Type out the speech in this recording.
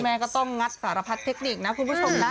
ก็ต้องงัดสารพัดเทคนิคนะคุณผู้ชมนะ